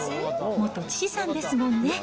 元知事さんですもんね。